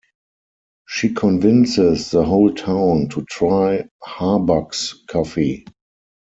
She convinces the whole town to try Harbucks Coffee.